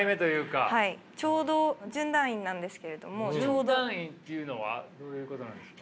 準団員っていうのはどういうことなんですか？